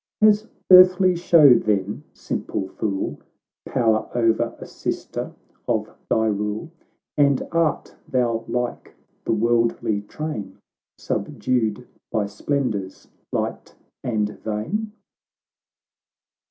—" Has earthly show then, simple fool, Power o'er a sister of thy rule, And art thou like the worldly train, Subdued by splendours light and vain